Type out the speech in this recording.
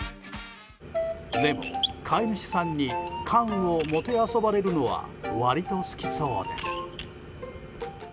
でも、飼い主さんに冠羽をもてあそばれるのは割と、好きそうです。